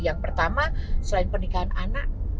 yang pertama selain pernikahan anak